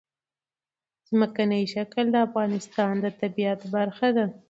ځمکنی شکل د افغانستان د طبیعت برخه ده.